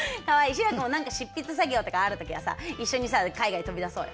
志らくも何か執筆作業とかある時はさ一緒にさ海外飛び出そうよ。